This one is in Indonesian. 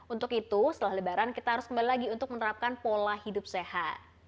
untuk itu setelah lebaran kita harus kembali lagi untuk menerapkan pola hidup sehat